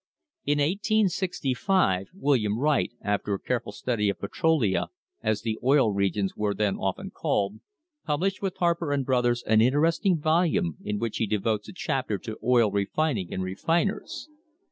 In 1865 William Wright, after a careful study of "Petrolia," as the Oil Regions were then often called, pub lished with Harper and Brothers an interesting volume in which he devotes a chapter to "Oil Refining and Refiners."